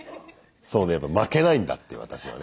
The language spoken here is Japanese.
そうね負けないんだって私はね。